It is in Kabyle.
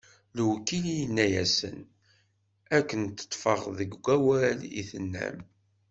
Lewkil inna-asen: Ad ken-ṭṭfeɣ deg wawal i d-tennam!